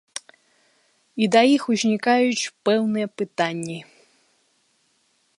І да іх узнікаюць пэўныя пытанні.